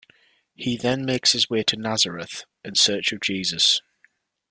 He then makes his way to Nazareth in search of Jesus.